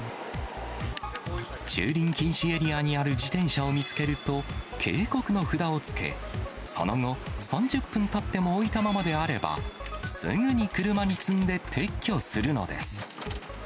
駐輪禁止エリアにある自転車を見つけると、警告の札をつけ、その後、３０分たっても置いたままであれば、すぐに車に積んで撤去するのです。